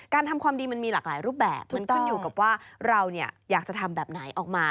ทำความดีมันมีหลากหลายรูปแบบมันขึ้นอยู่กับว่าเราอยากจะทำแบบไหนออกมา